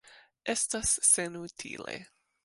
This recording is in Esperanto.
Estas senutile.